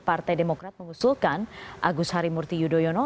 partai demokrat mengusulkan agus harimurti yudhoyono